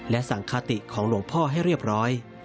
และสังคติของหลวงพ่อให้เรียบร้อย